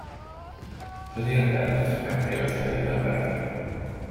És az ilyen természet megtévesztheti az embereket.